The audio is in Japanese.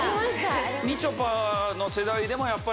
みちょぱの世代でもやっぱり。